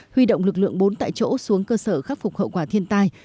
huy động lực lượng bốn tại chỗ xuống cơ sở khắc phục hậu quả thiên tai